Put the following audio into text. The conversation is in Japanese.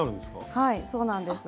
はいそうなんです。